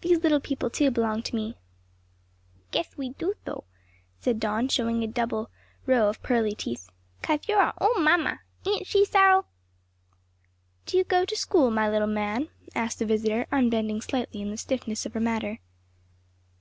These little people too belong to me." "Gueth we do so?" said Don, showing a double row of pearly teeth, "cauth you're our own mamma. Ain't she, Cyril?" "Do you go to school, my little man?" asked the visitor, unbending slightly in the stiffness of her manner.